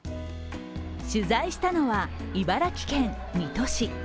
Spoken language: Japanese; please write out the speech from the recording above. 取材したのは茨城県水戸市。